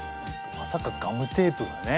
まさかガムテープがね。